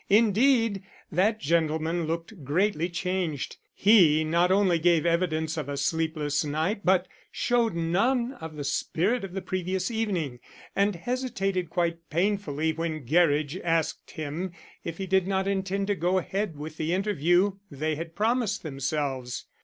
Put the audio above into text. Indeed, that gentleman looked greatly changed. He not only gave evidence of a sleepless night but showed none of the spirit of the previous evening, and hesitated quite painfully when Gerridge asked him if he did not intend to go ahead with the interview they had promised themselves.